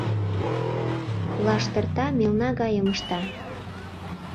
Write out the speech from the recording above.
Лаштырта, мелна гайым ышта...